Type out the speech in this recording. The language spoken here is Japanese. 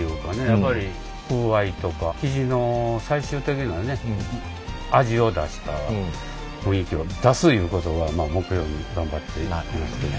やっぱり風合いとか生地の最終的なね味を出した雰囲気を出すいうことを目標に頑張っていますけど。